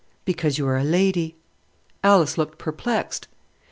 "Because you are a lady." Alice looked perplexed.